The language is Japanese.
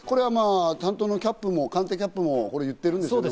担当の官邸キャップもそう言ってるんですね。